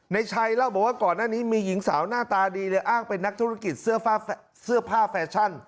ในชัยเล่าบอกว่าก่อนหน้านี้มีหญิงสาวหน้าตาดีเลยอ้างเป็นนักธุรกิจเสื้อผ้าแฟชั่น